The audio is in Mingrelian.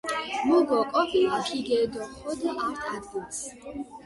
მუ გოკო ქიგედოხოდ ართ ადგილს